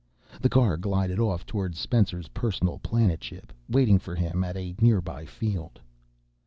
The car glided off toward Spencer's personal planetship, waiting for him at a nearby field.